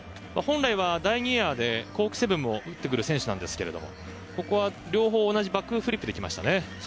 本来は第２エアでコーク７２０をしてくる選手ですがここは両方同じバックフリップできましたね。